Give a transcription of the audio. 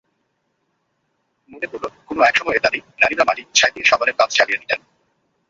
মনে পড়ল, কোনো একসময়ে দাদি-নানিরা মাটি, ছাই দিয়ে সাবানের কাজ চালিয়ে নিতেন।